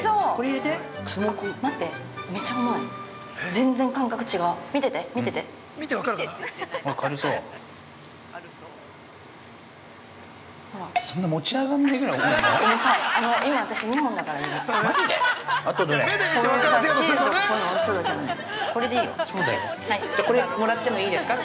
◆これもらってもいいですか。